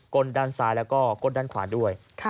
ด้านซ้ายแล้วก็ก้นด้านขวาด้วย